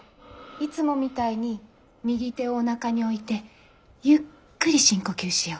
いつもみたいに右手をおなかに置いてゆっくり深呼吸しよ。